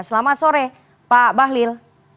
selamat sore pak bahlil